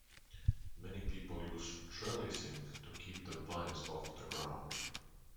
Many people use trellising to keep the vines off the ground.